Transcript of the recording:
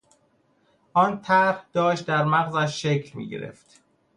آن طرح داشت در مغزش شکل میگرفت.